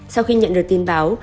sau khi nhận được tin báo